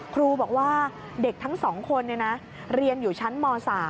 ครูบอกว่าเด็กทั้ง๒คนเรียนอยู่ชั้นม๓